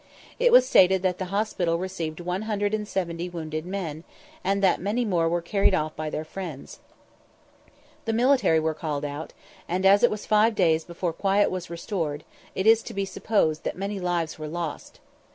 It was stated that the hospital received 170 wounded men, and that many more were carried off by their friends. The military were called out, and, as it was five days before quiet was restored, it is to be supposed that many lives were lost.